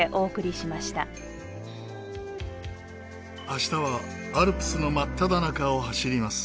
明日はアルプスの真っただ中を走ります。